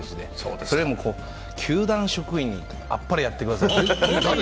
それでも球団職員にあっぱれやってください。